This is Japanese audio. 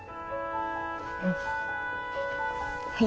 はい。